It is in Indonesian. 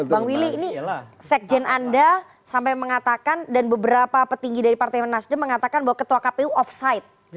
bang willy ini sekjen anda sampai mengatakan dan beberapa petinggi dari partai nasdem mengatakan bahwa ketua kpu offside